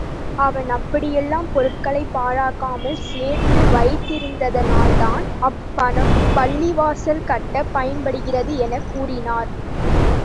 அவன் அப்படியெல்லாம் பொருள்களைப் பாழாக்காமல் சேர்த்து வைத்திருந்ததனால்தான், அப்பணம் பள்ளிவாசல் கட்டப் பயன்படுகிறது எனக் கூறினார்.